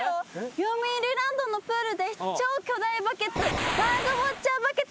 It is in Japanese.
よみうりランドのプールで超巨大バケツバードウォッチャーバケツが完成したって。